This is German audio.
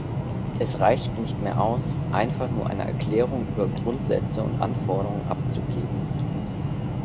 Es reicht nicht mehr aus, einfach nur eine Erklärung über Grundsätze und Anforderungen abzugeben.